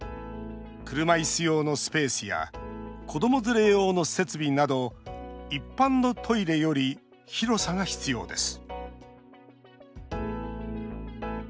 車いす用のスペースや子ども連れ用の設備など一般のトイレより広さが必要です